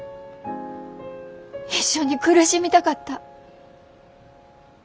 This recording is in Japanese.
一緒に苦しみたかった。